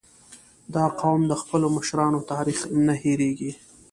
• دا قوم د خپلو مشرانو تاریخ نه هېرېږي.